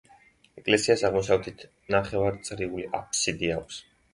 ეკლესიას აღმოსავლეთით ნახევარწრიული აფსიდი აქვს.